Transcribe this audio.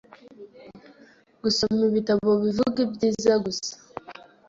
Gusoma ibitabo bivuga ibyiza gusa